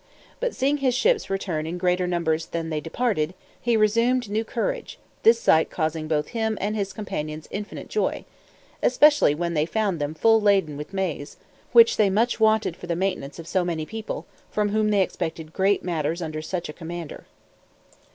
But seeing his ships return in greater numbers than they departed, he resumed new courage, this sight causing both in him and his companions infinite joy, especially when they found them full laden with maize, which they much wanted for the maintenance of so many people, from whom they expected great matters under such a commander.